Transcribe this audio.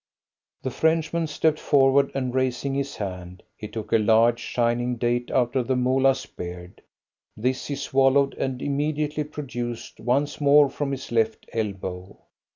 The Frenchman stepped forward, and raising his hand he took a large, shining date out of the Moolah's beard. This he swallowed and immediately produced once more from his left elbow.